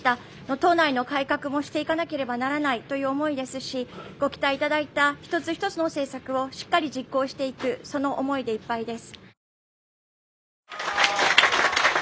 党内の改革もしていかなければならないという思いですしご期待いただいた一つ一つの政策をしっかり実行していく、その思いでいっぱいです。